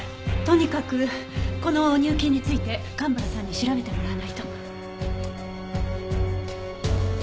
とにかくこの入金について蒲原さんに調べてもらわないと。